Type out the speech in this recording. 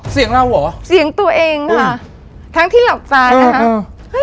เสียงเราหรอเสียงตัวเองค่ะอื้อทั้งที่หลับตานะฮะเออเออ